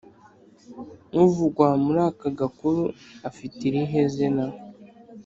Uvugwa muri aka gakuru afite irihe zina?